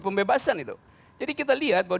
pembebasan itu jadi kita lihat bahwa